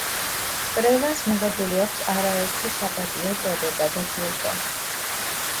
პრეჟანს მიღებული აქვს არაერთი საპატიო წოდება და ჯილდო.